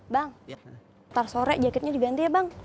bang ntar sore jaketnya diganti ya bang